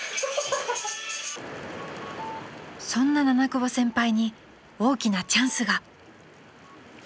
［そんな七久保先輩に大きなチャンスが］